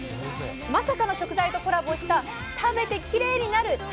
まさかの食材とコラボした「食べてキレイになる」